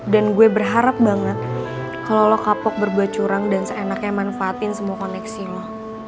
dan gue berharap banget kalau lo kapok berbuat curang dan seenaknya manfaatin semua koneksi lo